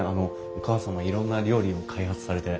お母様いろんな料理を開発されて。